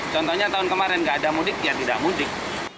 contohnya tahun kemarin nggak ada mudik ya tidak mudik